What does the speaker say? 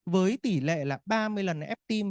với tỉ lệ là ba mươi lần ép tim